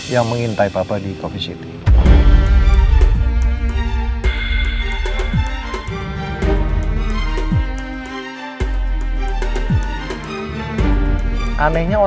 yang mengintai papa di coffee city